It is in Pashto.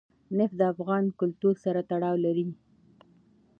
نفت د افغان کلتور سره تړاو لري.